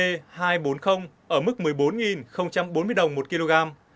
thép dòng quận cb bốn mươi ở mức một mươi bốn bốn mươi đồng một kg